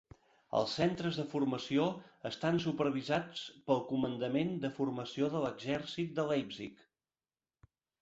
Els centres de formació estan supervisats pel Comandament de Formació de l'Exèrcit de Leipzig.